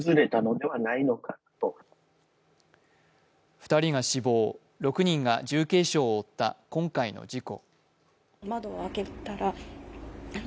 ２人が死亡、６人が重軽傷を負った今回の事故。